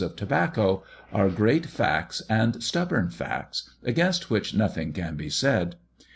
of tobacco, are great facts, and stubborn facts, against which nothing can be said.